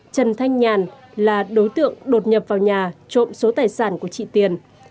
trần thanh nhàn là đối tượng đột nhập vào nhà trộm số tài sản của chị tiền